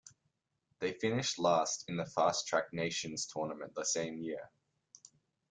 They finished last in the fast-track nations tournament the same year.